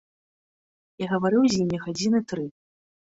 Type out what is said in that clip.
Я гаварыў з імі гадзіны тры.